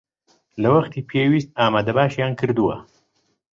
لە وەختی پێویست ئامادەباشییان کردووە